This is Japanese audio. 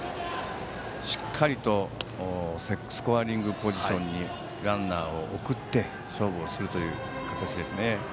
しっかりとスコアリングポジションにランナーを送って勝負をするという形ですね。